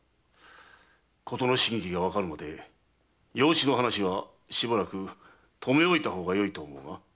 事の真偽がわかるまで養子の話はしばらく留め置いた方がよいと思うが。